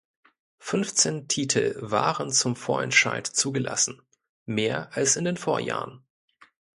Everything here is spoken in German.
Fünfzehn Titel waren zum Vorentscheid zugelassen, mehr als in den Vorjahren.